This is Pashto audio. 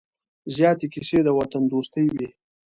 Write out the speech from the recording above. زیاتې کیسې د وطن دوستۍ وې.